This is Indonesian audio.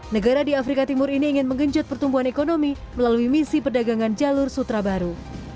negara di afrika timur ini ingin menggenjot pertumbuhan ekonomi melalui misi perdagangan jalur sutra baru